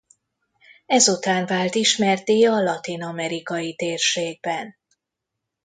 Ezután vált ismertté a latin-amerikai térségben.